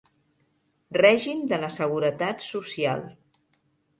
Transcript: Règim de la seguretat social.